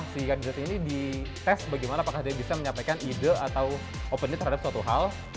si kandidat ini dites bagaimana apakah dia bisa menyampaikan ide atau opinion terhadap suatu hal